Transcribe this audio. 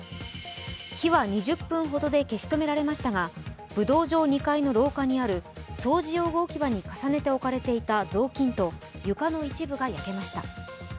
火は２０分ほどで消し止められましたが武道場２階の廊下にある掃除用具置き場に重ねておかれていた雑巾と床の一部が焼けました。